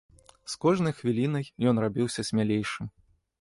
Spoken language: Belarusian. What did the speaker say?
З кожнай хвілінай ён рабіўся смялейшым.